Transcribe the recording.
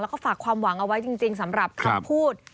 แล้วก็ฝากความหวังเอาไว้จริงสำหรับคำพูด